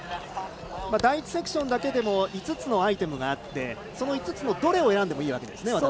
第１セクションだけでも５つのアイテムがあってその５つのどれを選んでもいいわけですね。